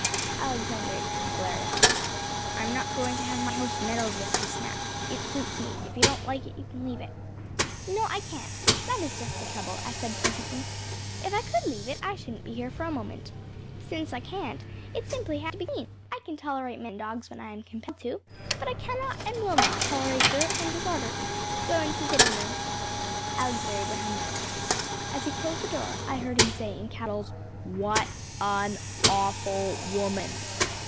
‚ÄĚ Alexander Abraham glared at me. “I’m not going to have my house meddled with,‚ÄĚ he snapped. “It suits me. If you don’t like it you can leave it.‚ÄĚ “No, I can’t. That is just the trouble,‚ÄĚ I said pleasantly. “If I could leave it I shouldn’t be here for a minute. Since I can’t, it simply has to be cleaned. I can tolerate men and dogs when I am compelled to, but I cannot and will not tolerate dirt and disorder. Go into the sitting room.‚ÄĚ Alexander Abraham went. As he closed the door, I heard him say, in capitals, “WHAT AN AWFUL WOMAN!